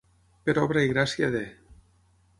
Per obra i gràcia de.